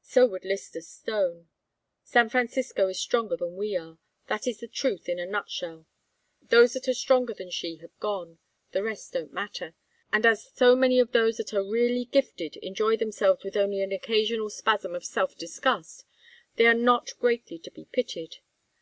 So would Lyster Stone. San Francisco is stronger than we are. That is the truth in a nutshell. Those that are stronger than she have gone. The rest don't matter. And as so many of those that are really gifted enjoy themselves with only an occasional spasm of self disgust, they are not greatly to be pitied.